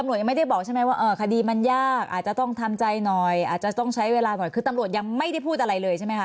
ตำรวจยังไม่ได้บอกใช่ไหมว่าคดีมันยากอาจจะต้องทำใจหน่อยอาจจะต้องใช้เวลาหน่อยคือตำรวจยังไม่ได้พูดอะไรเลยใช่ไหมคะ